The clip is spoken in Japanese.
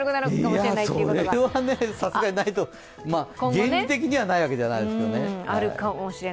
それはさすがにないと原理的にはないわけじゃないですけどね。